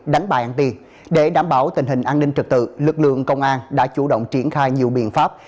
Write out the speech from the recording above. đánh bài ăn tiền để đảm bảo tình hình an ninh trật tự lực lượng công an đã chủ động triển khai nhiều biện pháp